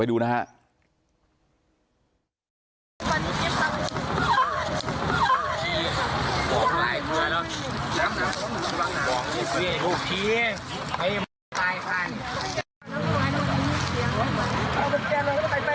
ไปดูนะครับ